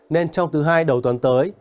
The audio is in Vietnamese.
nên trong thứ hai đầu tuần tới